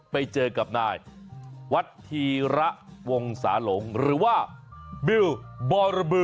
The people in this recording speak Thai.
ไปเจอกับนายวัฒีระวงศาหลงหรือว่าบิวบรบือ